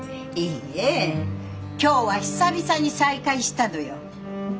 いいえ今日は久々に再会したのよ。